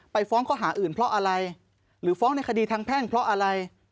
ฟ้องข้อหาอื่นเพราะอะไรหรือฟ้องในคดีทางแพ่งเพราะอะไร